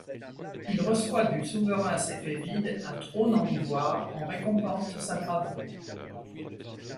Il reçoit du souverain séfévide un trône en ivoire en récompense de sa bravoure.